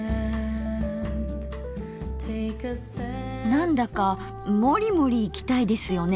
何だかもりもりいきたいですよね